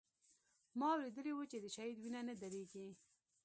ما اورېدلي و چې د شهيد وينه نه درېږي.